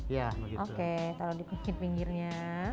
iya oke taruh di pinggirnya